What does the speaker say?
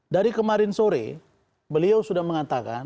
dari kemarin sore beliau sudah mengatakan